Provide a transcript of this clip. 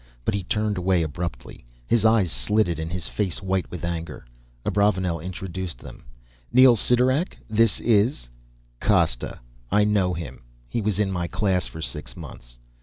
But he turned away abruptly, his eyes slitted and his face white with anger. Abravanel introduced them. "Neel Sidorak, this is " "Costa. I know him. He was in my class for six months."